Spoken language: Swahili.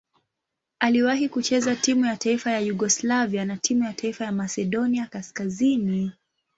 Aliwahi kucheza timu ya taifa ya Yugoslavia na timu ya taifa ya Masedonia Kaskazini.